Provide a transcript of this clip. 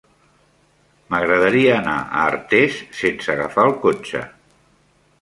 M'agradaria anar a Artés sense agafar el cotxe.